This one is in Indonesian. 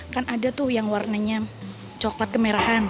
kan ada tuh yang warnanya coklat kemerahan